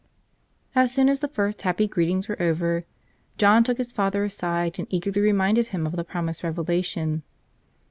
As soon as the first happy greetings were over, John took his father aside and eagerly reminded him of the promised revelation.